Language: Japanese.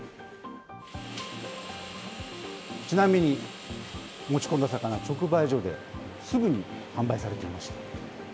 ちなみに、持ち込んだ魚、直売所ですぐに販売されていました。